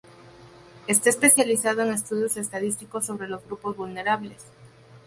Está especializado en estudios estadísticos sobre los grupos vulnerables.